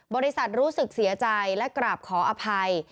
รู้สึกเสียใจและกราบขออภัย